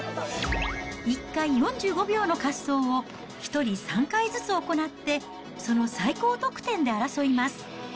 １回４５秒の滑走を１人３回ずつ行ってその最高得点で争います。